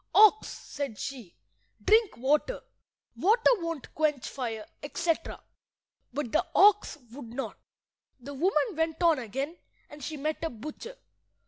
"Ox," said she, "drink water. Water won't quench fire," etc. But the ox would not. The woman went on again, and she met a butcher.